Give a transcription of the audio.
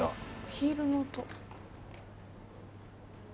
ヒールの音。